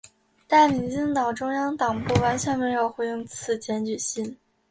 但民进党中央党部完全没有回应此检举信。